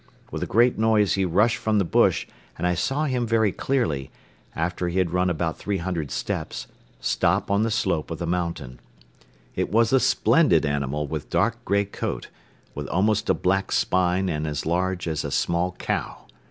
With a great noise he rushed from the bush and I saw him very clearly, after he had run about three hundred steps, stop on the slope of the mountain. It was a splendid animal with dark grey coat, with almost a black spine and as large as a small cow.